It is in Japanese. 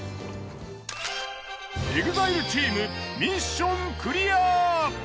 ＥＸＩＬＥチームミッションクリア。